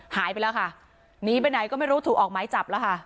หายไปแล้วค่ะหนีไปไหนก็ไม่รู้ถูกออกหมายจับแล้วค่ะ